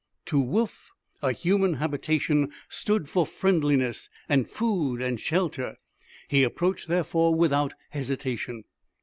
To Woof a human habitation stood for friendliness and food and shelter. He approached, therefore, without hesitation.